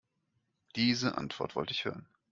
Diese Antwort wollte ich hören.